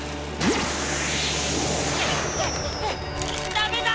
ダメだ！